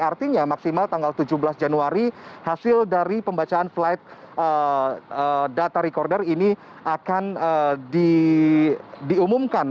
artinya maksimal tanggal tujuh belas januari hasil dari pembacaan flight data recorder ini akan diumumkan